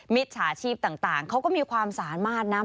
มิจฉาชีพต่างเขาก็มีความสามารถนะ